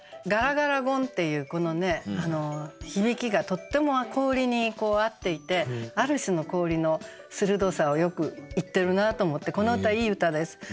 「ガラガラゴン」っていうこの響きがとっても氷に合っていてある種の氷の鋭さをよく言ってるなと思ってこの歌いい歌です。